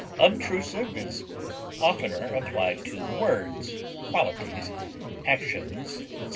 Obtrusive is oftener applied to words, qualities, actions, etc.